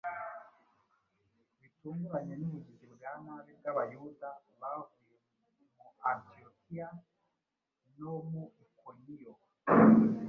bitunguranye n’ubugizi bwa nabi bw’ “Abayuda bavuye mu Antiyokiya no mu Ikoniyo,